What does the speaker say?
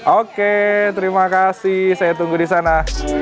oke terima kasih saya tunggu disana